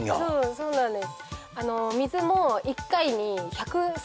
そうなんです